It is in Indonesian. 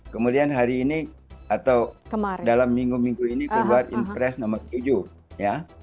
kemudian hari ini atau dalam minggu minggu ini keluar impres nomor tujuh ya